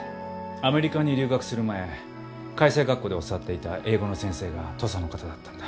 アメリカに留学する前開成学校で教わっていた英語の先生が土佐の方だったんだ。